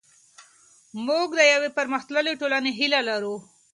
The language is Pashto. موږ د یوې پرمختللې ټولنې هیله لرو.